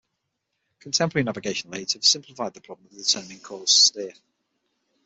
Contemporary navigational aids have simplified the problem of determining course to steer.